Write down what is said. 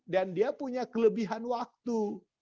dan dia punya kelebihan waktu